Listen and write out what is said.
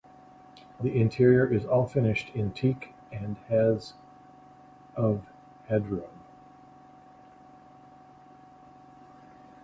The interior is all finished in teak and has of headroom.